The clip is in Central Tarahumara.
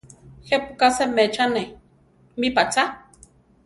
¿Je pu ka seméchane mí pa chá?